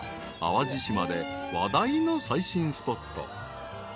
［淡路島で話題の最新スポット］